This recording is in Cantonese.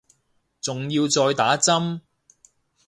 仲要再打針